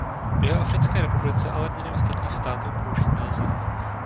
V Jihoafrické republice ale měny ostatních států použít nelze.